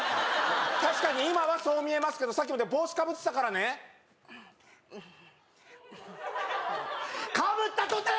確かに今はそう見えますけどさっきまで帽子かぶってたからねかぶったとて！